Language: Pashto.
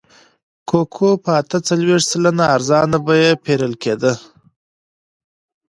کوکو په اته څلوېښت سلنه ارزانه بیه پېرل کېده.